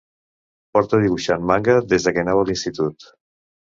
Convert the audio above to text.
Porta dibuixant manga des que anava a l'institut.